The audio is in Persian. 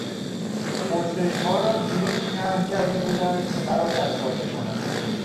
پرسشها را جوری طرح کرده بودند که مرا دستپاچه کند.